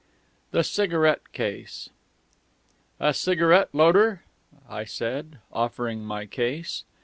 THE CIGARETTE CASE "A cigarette, Loder?" I said, offering my case.